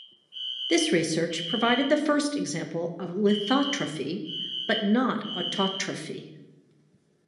This research provided the first example of lithotrophy, but not autotrophy.